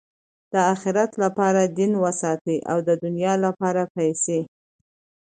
د آخرت له پاره دین وساتئ! او د دؤنیا له پاره پېسې.